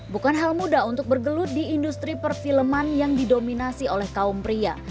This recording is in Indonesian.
bukan hal mudah untuk bergelut di industri perfilman yang didominasi oleh kaum pria